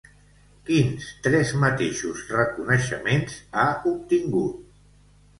Quins tres mateixos reconeixements ha obtingut?